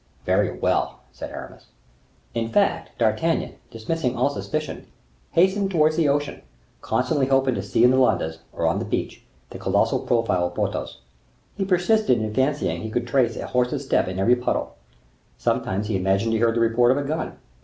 "Very well!" said Aramis. In fact, D'Artagnan, dismissing all suspicion, hastened towards the ocean, constantly hoping to see in the Landes, or on the beach, the colossal profile of Porthos. He persisted in fancying he could trace a horse's steps in every puddle. Sometimes he imagined he heard the report of a gun.